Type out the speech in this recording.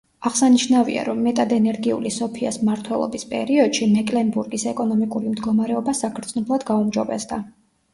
აღსანიშნავია, რომ მეტად ენერგიული სოფიას მმართველობის პერიოდში, მეკლენბურგის ეკონომიკური მდგომარეობა საგრძნობლად გაუმჯობესდა.